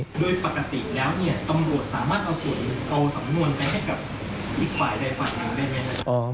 โดยปกติแล้วเนี่ยตำรวจสามารถเอาส่วนเอาสำนวนไปให้กับอีกฝ่ายใดฝ่ายหนึ่งได้ไหมครับ